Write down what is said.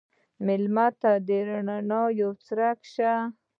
مېلمه ته د رڼا یو څرک شه.